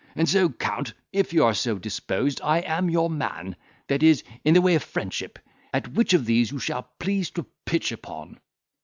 And so, Count, if you are so disposed, I am your man, that is, in the way of friendship, at which of these you shall please to pitch upon."